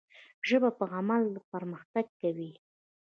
ژبه په عمل پرمختګ کوي.